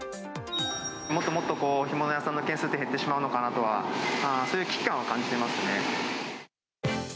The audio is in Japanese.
もっともっと干物屋さんの軒数って減ってしまうのかなっていうのは、そういう危機感は感じていますね。